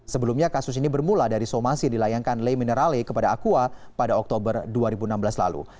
sebelumnya kasus ini bermula dari somasi dilayangkan lee minerale kepada aqua pada oktober dua ribu enam belas lalu